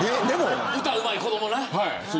歌うまい子どもな。